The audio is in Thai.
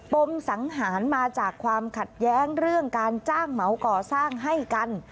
มสังหารมาจากความขัดแย้งเรื่องการจ้างเหมาก่อสร้างให้กัน